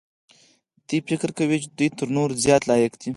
دی فکر کوي چې دی تر نورو زیات لایق دی.